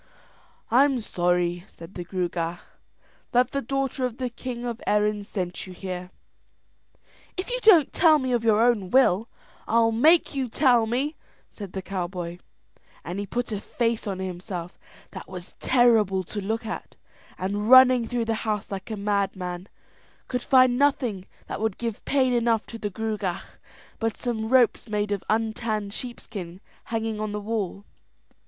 "I'm sorry," said the Gruagach, "that the daughter of the king of Erin sent you here." "If you don't tell me of your own will, I'll make you tell me," said the cowboy; and he put a face on himself that was terrible to look at, and running through the house like a madman, could find nothing that would give pain enough to the Gruagach but some ropes made of untanned sheepskin hanging on the wall.